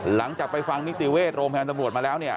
หลังจากไปฟังนิติเวศโรงแฮนด์ตำรวจมาแล้ว